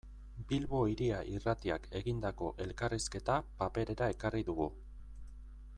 Bilbo Hiria Irratiak egindako elkarrizketa paperera ekarri dugu.